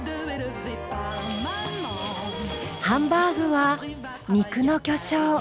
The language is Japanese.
ハンバーグは肉の巨匠